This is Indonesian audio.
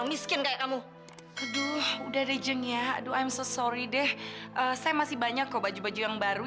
gimana aku bisa bertahan hidup